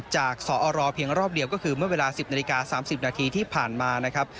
จากสอรเพียงรอบเดียวก็คือเมื่อเวลา๑๐นาฬิกา๓๐นาทีที่ผ่านมานะครับ